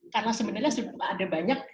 karena sebenarnya sudah ada banyak